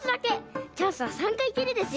チャンスは３かいきりですよ。